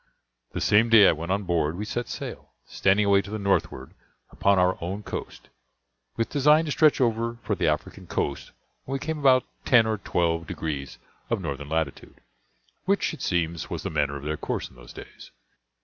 The same day I went on board we set sail, standing away to the northward upon our own coast, with design to stretch over for the African coast when we came about ten or twelve degrees of northern latitude, which, it seems, was the manner of their course in those days.